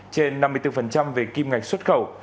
trên năm mươi bốn về kim ngạch xuất khẩu